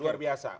woi luar biasa